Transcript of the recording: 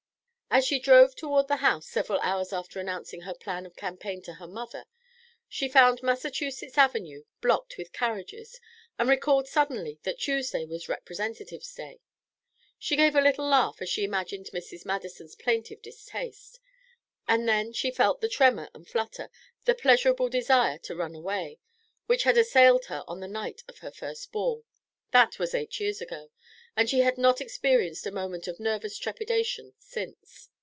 As she drove toward the house several hours after announcing her plan of campaign to her mother, she found Massachusetts Avenue blocked with carriages and recalled suddenly that Tuesday was "Representatives' day." She gave a little laugh as she imagined Mrs. Madison's plaintive distaste. And then she felt the tremor and flutter, the pleasurable desire to run away, which had assailed her on the night of her first ball. That was eight years ago, and she had not experienced a moment of nervous trepidation since.